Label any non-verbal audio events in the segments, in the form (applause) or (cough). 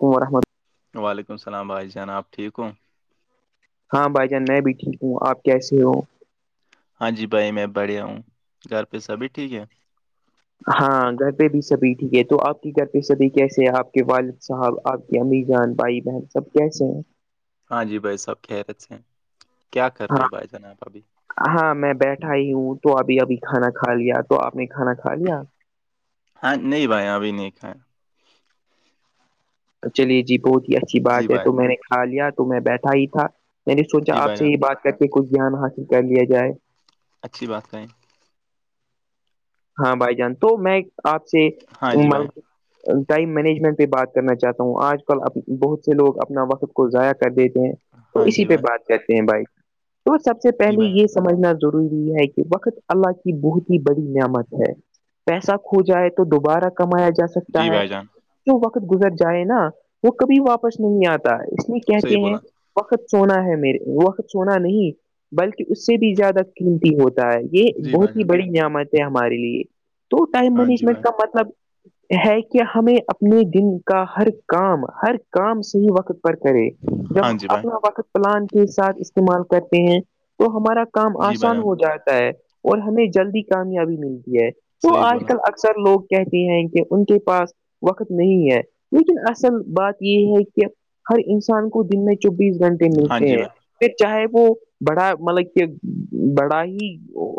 عمر احمد (unintelligible) وعلیکم السلام بھائی جناب ٹھیک ہوں ہاں بھائی جان میں بھی ٹھیک ہوں آپ کیسے ہو ہاں جی بھائی میں بڑیا ہوں گھر پہ سبھی ٹھیک ہے ہاں گھر پہ بھی سبھی ٹھیک ہے تو آپ کے گھر پہ سبھی کیسے ہیں آپ کے والد صاحب آپ کے امر جان بھائی بہن سب کیسے ہیں ہاں جی بھائی سب خیرت سے ہیں کیا کر رہے ہاں ہو بھائی جناب ابھی ہاں میں بیٹھا ہی ہوں تو ابھی ابھی کھانا کھا لیا تو آپ نے کھانا کھا لیا ہاں نہیں بھائی ابھی نہیں کھا ہے چلیے جی بہت ہی اچھی جی بات ہے بھائی تو میں نے کھا لیا تو میں بیٹھا ہی تھا میں نے سوچا جی آپ بھائی جان سے یہ بات کر کے کچھ دھیان حاصل کر لیا جائے اچھی بات کہیں ہاں بھائی جان تو میں آپ سے ہاں جی م بھائی ٹائم مینجمنٹ پہ بات کرنا چاہتا ہوں آج کل بہت سے لوگ اپنا وقت کو ضائع کر دیتے ہیں تو ہاں اسی جی پہ بھائی بات کرتے ہیں بھائی تو سب سے جی پہلے بھائی جان یہ سمجھنا ضروری یہ ہے کہ وقت اللہ کی بہت ہی بڑی نعمت پیسہ کھو جائے تو دوبارہ کمایا جا سکتا جی ہے بھائی جان جو وقت گزر جائے نا وہ کبھی واپس نہیں آتا اس لیے صحیح کہتے ہیں بولا وقت سونا ہے میرے وقت سونا نہیں بلکہ اس سے بھی زیادہ قیمتی ہوتا ہے یہ جی بھائی بہت ہی جان بڑی نعمت ہے ہمارے لیے تو ٹائم ہاں جی مینجمنٹ بھائی کا مطلب ہے کہ ہمیں اپنے دن کا ہر کام ہر کام صحیح وقت کرے جب ہاں جی بھائی اپنا وقت پلان کے ساتھ استعمال کرتے ہیں تو ہمارا کام جی بھائی آسان جان ہو جاتا ہے اور ہمیں جلدی کامیابی ملتی ہے تو صحیح آج بولا کل اکثر لوگ کہتے ہیں کہ ان کے پاس وقت نہیں ہے لیکن اصل بات یہ ہے کہ ہر انسان کو دن میں چوبیس گھنٹے ہاں ملتے جی ہیں بھائی پھر چاہے وہ بڑا مطلب کہ بڑا ہی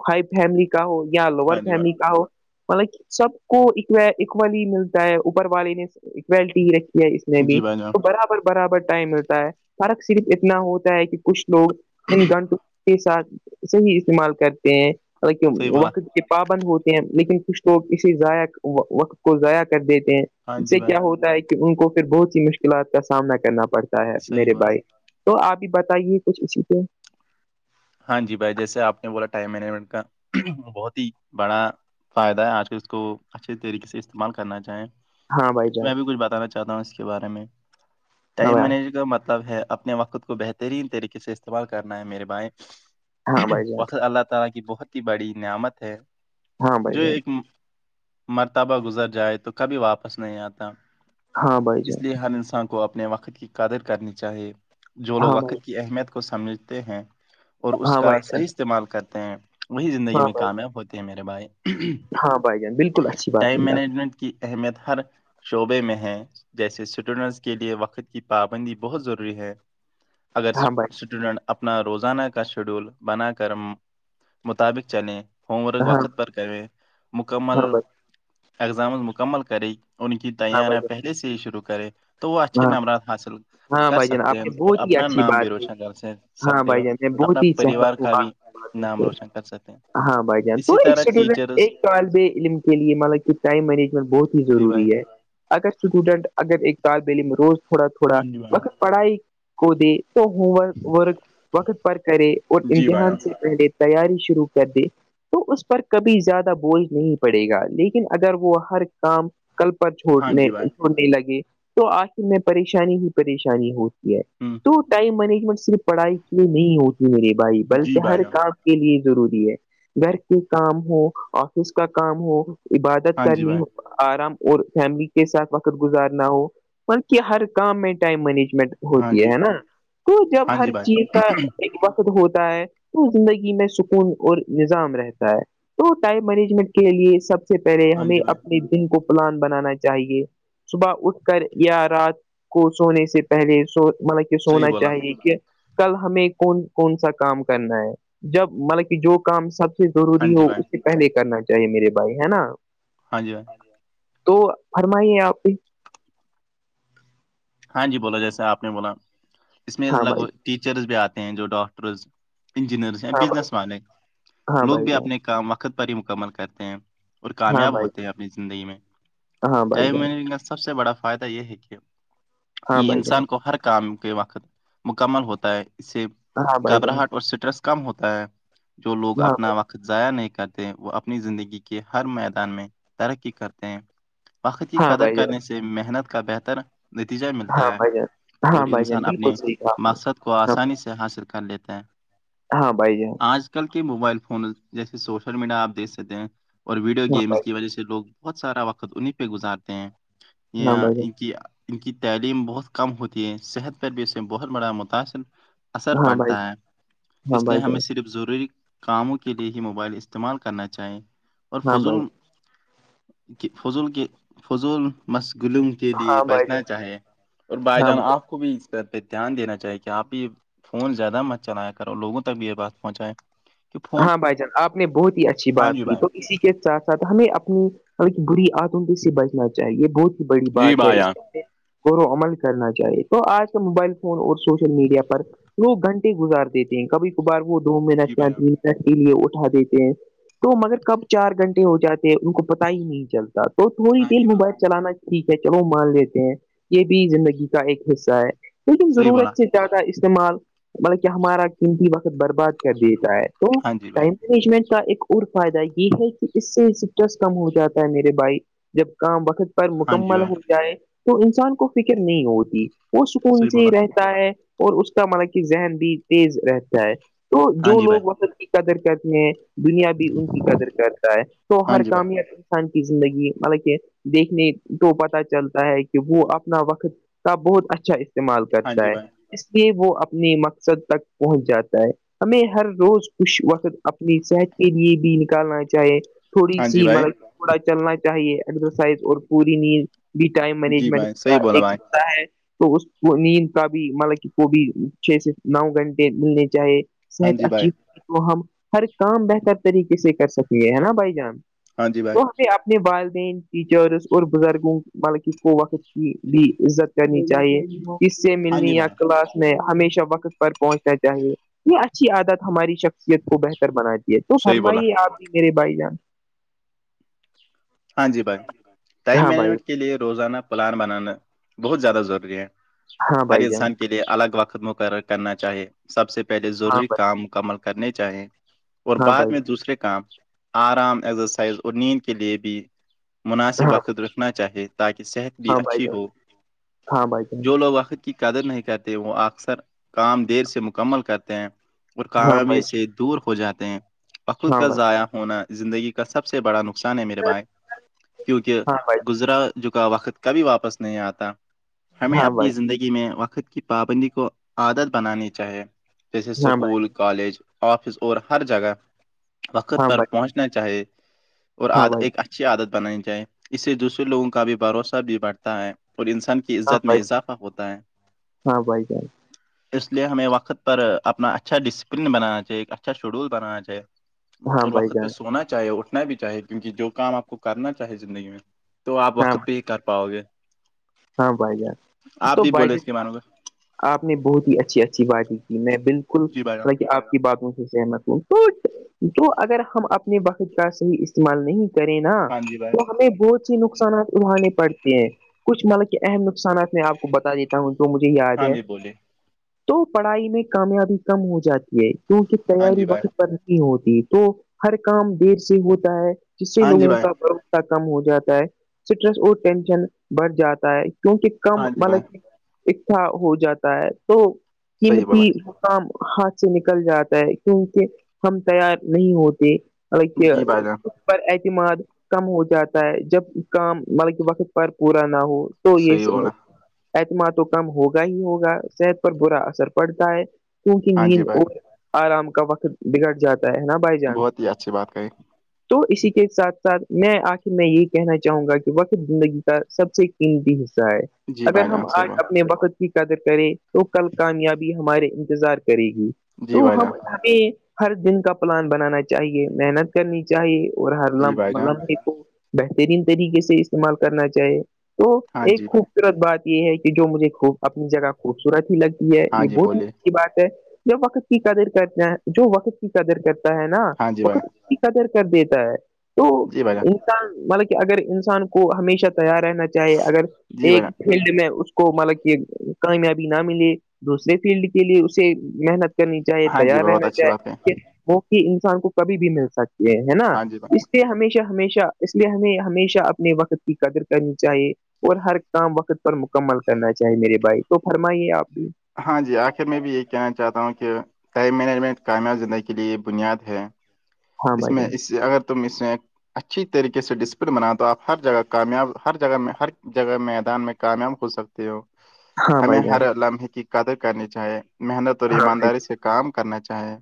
ہائی فیملی کا ہو یا لوور ہاں جی فیملی بھائی کا ہو مطلب سب کو اکوالی ملتا ہے اوپر والے نے اکولٹی رکھی ہے میں بھی جی بھائی جان تو برابر برابر ٹائم ملتا ہے فرق صرف اتنا ہوتا ہے کہ کچھ لوگ ان گنٹ کے ساتھ صحیح استعمال کرتے ہیں مطلب کہ صحیح بولا وقت کے پابند ہوتے ہیں لیکن کچھ لوگ اسی ضائعق وقت کو ضائع کر دیتے ہیں ہاں اس جی سے بھائی کیا ہوتا ہے کہ ان کو پھر بہت سی مشکلات کا سامنا کرنا پڑتا ہے صحیح میرے بولا بھائی تو آپ ہی بتائیے کچھ اسی سے ہاں جی بھائی جیسے آپ نے بولا ٹائم مینجمنٹ کا بہت ہی بڑا فائدہ ہے آج کل اس کو اچھے طریقے سے استعمال کرنا چاہیں ہاں بھائی جان میں بھی کچھ بتانا چاہتا ہوں اس کے بارے میں ہاں ٹائم بھائی مینج کا مطلب ہے اپنے وقت کو بہترین طریقے سے استعمال کرنا ہے میرے بھائی ہاں بھائی جان وقت اللہ تعالی کی بہت ہی بڑی نعمت ہے ہاں بھائی جو جان ایک مرتبہ گزر جائے تو کبھی واپس نہیں آتا ہاں بھائی اس جان لیے ہر انسان کو اپنے وقت کی قدر کرنی چاہیے جو لوگ ہاں بھائی وقت کی اہمیت کو سمجھتے ہیں اور اس ہاں کا بھائی جان صحیح استعمال کرتے ہیں وہی زندگی ہاں میں بھائی کامیاب ہوتے ہیں میرے بھائی ہاں بھائی جان بالکل اچھی بات ٹائم کی آپ مینجمنٹ کی اہمیت ہر شعبے میں ہیں جیسے اسٹوڈنٹس کے لیے وقت کی پابندی بہت ضروری ہے اگر نے۔ ہاں بھائی اسٹوڈنٹ اپنا روزانہ شیڈول بنا کر مطابق چلیں ہووم ورک ہاں وقت پر کریں ہاں مکمل بھائی اگزامز مکمل کرے ان کی ہاں بھائی تیاریاں جان پہلے سے ہی شروع کرے تو وہ اچھے ہاں نمبرات حاصل ہاں کر بھائی جان سکتے ہیں آپ نے اور بہت ہی اپنا اچھی نام بھی بات کی روشن کر ہاں سکتے ہیں بھائی اور جان میں بہت اپنا ہی پریوار سہمت ہوں کا آپ بھی کی باتوں نام سے روشن کر سکتے ہیں ہاں بھائی جان تو اسی ایک طرح اسٹوڈنٹ ٹیچرس ایک طالب علم کے لیے مطلب کہ ٹائم مینجمنٹ بہت ہی جی بھائی ضروری ہے اگر اسٹوڈنٹ اگر ایک طالب علم روز تھوڑا تھوڑا ہاں جی بھائی وقت پڑھائی کو دے وہ ہوم ورک ورک وقت پر کرے اور جی بھائی امتحان سے پہلے تیاری شروع کر دے تو اس پر کبھی زیادہ بوجھ نہیں پڑے گا لیکن اگر وہ ہر کام کل پر ہاں چھوڑنے جی بھائی چھوڑنے لگے تو آخر میں پریشانی ہی پریشانی ہوگی ہ تو ٹائم مینجمنٹ صرف پڑھائی کے لیے نہیں ہوتی میرے بھائی جی بلکہ ہر بھائی کام کے لیے ضروری ہے گھر کے کام ہو آفس کا کام ہو عبادت ہاں جی کرنی بھائی ہو آرام اور فیملی کے ساتھ وقت گزارنا ہو مطلب ہر کام میں ٹائم مینجمنٹ ہاں ہوتی جی ہے نا تو جب ہاں جی ہر بھائی چیز کا ایک وقت ہوتا ہے تو زندگی میں سکون اور نظام رہتا ہے تو ہوتا ہے مینجمنٹ کے لیے سب سے پہلے ہاں ہمیں جی بھائی اپنے دن کو پلان بنانا چاہیے صبح اٹھ کر یا رات کو سونے سے پہلے سو مطلب کہ صحیح سونا بولا چاہیے کہ کل ہمیں کون کون سا کام کرنا ہے جب مطلب کہ جو کام سب ہاں ضروری جی ہو بھائی اس سے پہلے کرنا چاہیے میرے بھائی ہے نا ہاں جی ہاں تو فرمائیے آپ کی ہاں جی بولا جیسا آپ نے بولا اس میں ہاں لگ بھائی بھگ ٹیچرز بھی آتے ہیں جو ڈاکٹرز انجینئرس ہیں ہاں بھائی بزنس والے ہاں لوگ بھائی بھی جان اپنے کام وقت پر ہی مکمل کرتے ہیں اور ہاں کامیاب بھائی ہوتے ہیں اپنی زندگی میں ہاں بھائی ٹائم جان مینجن کا سب سے بڑا فائدہ یہ ہے کہ ہاں یہ بھائی جان انسان کو ہر کام کے وقت مکمل ہوتا ہے اس سے ہاں بھائی جان گھبراہٹ اور اسٹریس کم ہوتا ہے جو لوگ ہاں اپنا بھائی وقت ضائع نہیں کرتے وہ اپنی زندگی کے ہر میدان میں ترقی کرتے ہیں وقت کی ہاں قدر بھائی جان کرنے سے محنت کا بہتر نتیجا ملتا ہاں ہے بھائی جان اور ہاں بھائی جان انسان بالکل اپنے صحیح کہا آپ نے مقصد کو آسانی سے حاصل کر لیتے ہیں ہاں بھائی ج آج کل کے موبائل فون جیسے سوشل میڈیا آپ دیکھ سکتے ہیں اور ویڈیو ہاں گیمس بھائی کی وجہ سے لوگ بہت سارا وقت انیں پہ گزارتے ہیں جان یہ ہاں بھائی ان کی ان کی تعلیم بہت کم ہوتی ہے صحت پر بھی اسے بہت بڑا متاثر اثر ہاں بھائی جان پڑتا ہے ہاں بھائی ہاں اس لیے بھائی ہمیں جان صرف ضروری کاموں کے لئے ہی موبائل استعمال کرنا چاہیں اور ہاں بھائی فضول کہ فضول کے فضول مشغلوم کے لیے ہاں ب بھائی نا چاہیے اور بائی ہاں جان بھائی آپ کو بھی اس پر پہ دھیان دینا چاہیے کہ آپ یہ فون زیادہ مت چلایا کرو لوگوں تک بھی یہ بات پہنچاائے ہاں بھائی جان آپ نے بہت ہی اچھی ہاں بات جی کی بھائی تو اسی کے ساتھ ساتھ ہمیں اپنی ایک بری آتمی سے بچنا چاہیے بہت بڑی جی بات ہے بھائی اس جان اور و عمل کرنا چاہیے تو آج کے موبائل فون اور سوشل میڈیا پر لوگ گھنٹے گزار دیتے ہیں کبھی کبھار وہ دوم من آ جی بھائی جان، ہیں کے لیے اٹھا دیتے ہیں تو مگر کب چار گھنٹے ہو جاتے ان کو پتا ہی نہیں چلتا تو تھوڑی ہاں دیر جی بھائی موبائل چلانا ٹھیک ہے چلو مان لیتے ہیں یہ بھی زندگی کا ایک حصہ ہے لیکن صحیح بولا ضرورت سے زیادہ استعمال مطلب کہ ہمارا قیمتی وقت برباد کر دیتا ہے تو ہاں جی بھائی ٹائم مجمنٹ کا ایک اور فائدہ یہ ہے کہ اس سے اسٹریس کم ہو جاتا ہے میرے بھائی جب کام وقت ہاں جی مکمل بھائی ہو جائے تو انسان کو فکر نہیں ہوتی وہ سکون صحیح سے بولا رہتے ہے اور اس کا مطلب کہ ذہن بھی تیز رہتا ہے تو ہاں جو جی بھائی لوگ مس قدر کرتی ہیں دنیا بھی ان کی قدر کرتا ہے تو ہاں ہر جی بھائی کامیاب کی زندگی مطلب کہ دیکھنے تو پتہ چلتا ہے کہ وہ اپنا وقت کا بہت اچھا استعمال ہاں کرتا جی ہے بھائی اس لیے وہ اپنے مقصد تک پہنچ جاتا ہے ہمیں ہر روز کچھ وقت اپنی صحت کے لیے بھی نکالنا چاہے تھوڑی ہاں جی سی بھائی مطلب تھوڑا چلنا چاہیے ایکزرسائز اور پوری نیند بھی ٹائم جی مینجمنٹ بھائی صحیح بولا ایک بھائی کرتا ہے تو اس نیند کا بھی مطلب کہ کو بھی چھ سے نو گھنٹے ملنے چاہے ہاں صحت جی بھائی اچھی تو ہم ہر کام بہتر طریقے سے کر سکیںے ہے نا بھائی جانں ے ہاں جی بھائی اپنے والدین ٹیچرس اور بزرگوں ملک کو وقت کی بھی عزت کرنی چاہیے کس سے ہاں جی ملنی یا بھائی کلاس میں ہمیشہ وقت پر پہنچنا چاہیے یہ اچھی عادت ہماری شکل یت کو بہتر بناتی ہے تو صحیح بولا فرمائیے آپ بھی میرے بھائی جان ہاں جی بھائی ٹائم ہاں بھائی مینجمنٹ کے لیے روزانہ پلان بنانا بہت زیادہ ضروری ہے ہاں ہر بھائی جان انسان کے لیے الگ وقت مقرر کرنا چاہیے سب سے پہلے ہاں ضروری بھائی کام مکمل کرنے چاہیں اور ہاں بعد بھائی میں دوسرے کام آرام ایزرسائز اور نیند کے لیے بھی مناسب ہاں وقت رکھنا چاہیے تاکہ صحت بھی ہاں بھائی اچھی جان ہو ہاں بھائی جان جو لوگ وقت کی قدر نہیں کرتے وہ اکثر کام دیر سے مکمل کرتے ہیں اور ہاں کامیابی بھائی سے دور ہو جاتے ہیں بخود ہاں کا ضائع ہونا زندگی کا سب سے بڑا نقصان ہے میرے بائے کیونکہ بھائی گزرا جکا وقت کبھی واپس نہیں آتا ہمیں ہاں اپنی بھائی زندگی میں وقت کی پابندی کو عادت بنانی چاہیے جیسے ہاں بھائی سکول کالج آفس اور ہر جگہ وقت ہاں پر بھائی پہنچنا چاہے اور ہاں آد ایکچ عادت بنانی چاہی اس سے دوسرے لوگوں کا بھی بھروسہ بھی بڑھتا ہے اور انسان کی عزت میں بھائی اضافہ ہوتا ہے ہاں بھائی ہاں بھائی ہاں بھائی جان اس لیے ہمیں وقت پر اپنا اچھا ڈسپلن بنانا چاہے ایک اچھا شیڈول بنانا چاہے ہاں اور بھائی وقت پہ جان سونا چاہے اٹھنا بھی چاہے کیونکہ جو کام آپ کو کرنا چاہے زندگی میں تو آپ ہاں وقت پہ ہی کر پاؤ گے ہاں بائی جان آپ تو بھی بائی بولے ج اس کے مانو گے آپ نے بہت ہی اچھی اچھی باتیں کی میں بالکل جی بھائی جان، آپ کی باتوں سے سہمت ہوں تو تو اگر ہم اپنے وقت کا صحیح استعمال نہیں کریں نا ہاں جی بھائی تو ہمیں بہت سی نقصانات ابھانے پڑتے ہیں کچھ مطلب کہ اہم نقصانات میں آپ کو بتا دیتا ہوں جو مجھے یاد ہاں ہے جی بولیے تو پڑھائی میں کامیابی کم ہو جاتی ہے کیونکہ ہاں تیاری جی بھائی وقت نہیں ہوتی تو ہر کام دیر سے ہوتا ہے جس سے ہاں جی لوگوں بھائی کا کم ہو جاتا ہے اسٹریس اور ٹینشن بڑھ جاتا ہے کیونکہ کم ہاں جی بھائی ملب اھا ہو جاتا ہے تو انن صحیح بولا کی کام ہاتھ سے نکل جاتا ہے کیونکہ ہم تیار نہیں ہوتے مطلب کہ جی بھائی جان پر اعتماد کم ہو جاتا ہے جب کام مطلب کہ وقت پر پورا نہ ہو تو یہ صحیح س بولا اعتما تو کم ہوگا ہی ہوگا صحت پر برا اثر پڑتا ہے کیونکہ ہاں جی نیند بھائی اور آرام کا وقت بگڑ جاتا ہے نا بھائی جان بہت ہی اچھی بات کہی تو اسی کے ساتھ ساتھ میں آخر میں یہی کہنا چاہوں گا کہ وقت زندگی سب سے قیمتی حصہ ہے جی اگر بھائی ہم جان صحیح آج بات اپنے وقت کی قدر کرے تو کل کامیابی ہمارے انتظار کرے گی جی تو بھائی ہم جان ہر دن کا پلان بنانا چاہیے محنت کرنی چاہیے اور ہر جی لم بھائی جان لمحبے کو بہترین طریقے سے استعمال کرنا چاہیے تو ہاں ایک جی بھائی خوبصورت بات یہ ہے کہ جو مجھے خوب اپنی جگہ خوبصورت ہی لگتی ہے ہاں یہ جی بولیے بہت بات ہے وقت کی قدر کرتے ہیں جو وقت کی قدر کرتا ہے نا ہاں جی بھائی وقت کی قدر کر دیتا ہے تو جی بھیا انسان مطلب کہ اگر انسان کو ہمیشہ تیار رہنا چاہیے اگر جی بھائی ایک جان فیلڈ میں اس کو مطلب کہ کامیابی نہ ملے دوسرے فیلڈ کے لیے اسے محنت کرنی چاہے ہاں جی تیار بھائی، بہت رہنا اچھی چاہیے بات ہے کہ وہی انسان کو کبھی بھی مل سکتی ہے ہے نا ہاں جی بھائی اس ہمیشہ ہمیشہ اس لیے ہمیں ہمیشہ اپنے وقت کی قدر کرنی چاہیے اور ہر کام وقت پر مکمل کرنا چاہیے میرے بھائی تو فرمائیے آپ بھی ہاں جی آخر میں بھی یہ کہنا چاہتا ہوں کہ ٹائم مینجمنٹ کامیاب زندگی کے لیے بنیاد ہے ہاں اس بھائی میں جان اس اگر تم اس میں اچھی طریقے سے ڈسپلن بناات دو آپ ہر جگہ کامیاب ہر جگہ میں ہر جگہ میدان میں کامیاب ہو سکتے ہو ہاں ہمیں بھائی جان ہر لمحے کی قدر کرنی چاہیے محنت اور ہاں بھائی ایمانداری سے کام کرنا چاہیں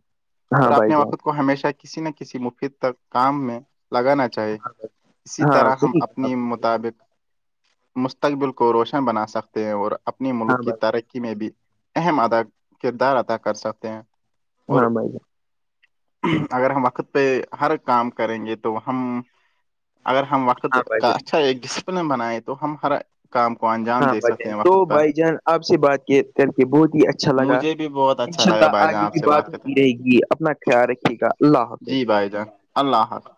ہاں اور بھائی اپنے جان وخود کو ہمیشہ کسی نہ کسی مفید تک کام میں لگانا چاہ چاہ اسی ہاں طرح ہم صحیح کہا اپنی آپ نے۔ مطابق مستقبل کو روشن بنا سکتے ہیں اور اپنے ملک ہاں کی بھائی ترقی میں بھی اہم ادا کردار ادا کر سکتے ہیں اور ہاں اگر ہم وقت پہ ہر کام کریں گے تو ہم اگر ہم وقت ہاں بھائی کا جان اچھا ڈسپلن بنائیں تو ہم ہر کام کو انجام ہاں دے بھائی سکتے جان ہیں تو وقت پر بھائی جان آپ سے بات کر کے بہت ہی اچھا لگا مجھے بھی بہت اچھا انشاء لگا اللہ بھائی جان آگے آپ بھی سے بات کرتے ہوتی رہے گی اپنا خیال رکھیے گا اللہ ہیں۔ جی حافظ بھائی جان اللہ حافظ